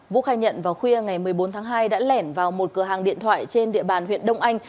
vũ khai nhận vào khuya ngày một mươi bốn tháng hai đã lẻn vào một cửa hàng điện thoại trên địa bàn huyện đông anh